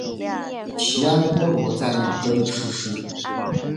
提埃坡罗在马德里逝世。